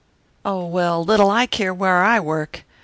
"Oh, well, little I care where I work.